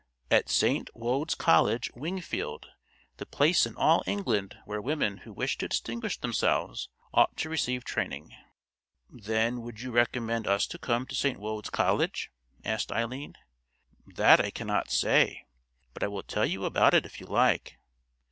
"At St. Wode's College, Wingfield, the place in all England where women who wish to distinguish themselves ought to receive training." "Then, would you recommend us to come to St. Wode's College?" asked Eileen. "That I cannot say; but I will tell you about it if you like.